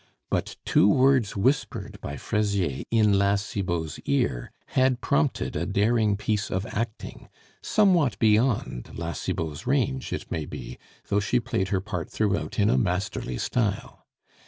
But two words whispered by Fraisier in La Cibot's ear had prompted a daring piece of acting, somewhat beyond La Cibot's range, it may be, though she played her part throughout in a masterly style.